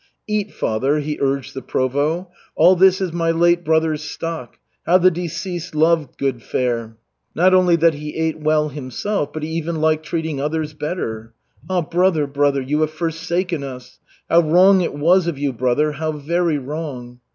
"Eat, Father," he urged the Provost. "All this is my late brother's stock. How the deceased loved good fare! Not only that he ate well himself, but he even liked treating others better. Ah, brother, brother, you have forsaken us! How wrong it was of you, brother, how very wrong!"